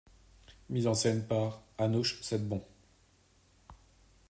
Mise en scène par Anouche Setbon.